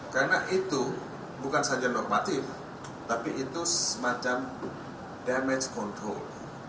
karena itu bukan saja normatif tapi itu semacam damage control